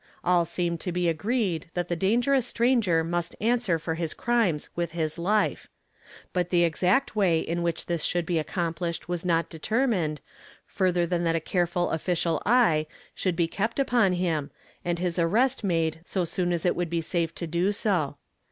All seemed to be agreed that the dangerous stranger must answer for liis 290 YESTERDAY FRAMED IN TO DAY. crimes with his life ; but the exact way in which this should be accomplished was not determined, further than that a careful official eye should he kept upon him, and his arrest made so soon as it would be safe to do so.